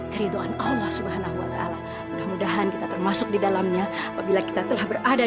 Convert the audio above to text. keridoan allah subhanahu wa ta'ala mudah mudahan kita termasuk di dalamnya apabila kita telah berada